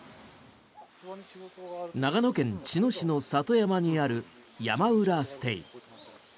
長野県茅野市の里山にあるヤマウラステイ。